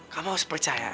kamu harus percaya